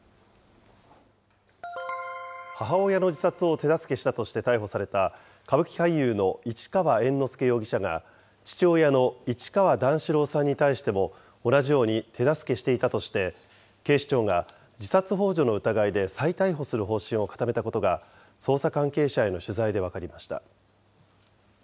母親の自殺を手助けしたとして逮捕された、歌舞伎俳優の市川猿之助容疑者が、父親の市川段四郎さんに対しても同じように手助けしていたとして、警視庁が自殺ほう助の疑いで再逮捕する方針を固めたことが、捜査関係者への取材で分かりました。